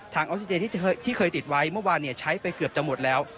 ถังออซิเจนที่เคยที่เคยติดไว้เมื่อวานเนี้ยใช้ไปเกือบจะหมดแล้ว